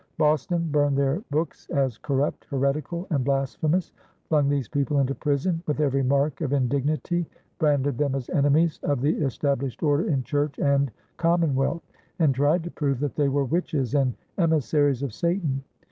Boston burned their books as "corrupt, heretical, and blasphemous," flung these people into prison with every mark of indignity, branded them as enemies of the established order in church and commonwealth, and tried to prove that they were witches and emissaries of Satan.